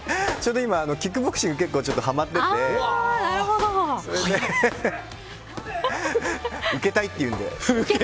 今、キックボクシングにはまっていて受けたいと言うので。